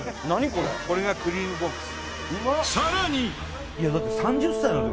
これがクリームボックス。